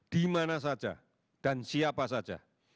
di mana saja dan siapa saja